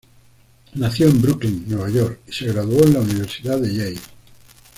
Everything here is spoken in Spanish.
Nació en Brooklyn, Nueva York y se graduó en la Universidad de Yale.